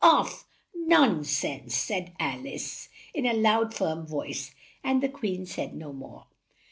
Off " "Non sense!" said Al ice, in a loud, firm voice, and the Queen said no more.